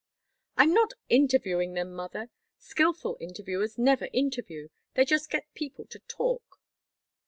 "I'm not interviewing them, Mother. Skillful interviewers never interview. They just get people to talk."